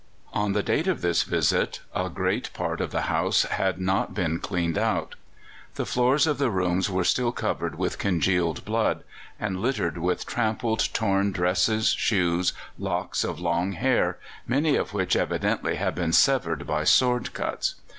On the date of this visit a great part of the house had not been cleaned out. The floors of the rooms were still covered with congealed blood, and littered with trampled, torn dresses, shoes, locks of long hair, many of which evidently had been severed by sword cuts.